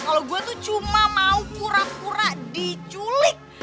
kalau gue tuh cuma mau pura pura diculik